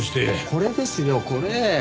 これですよこれ！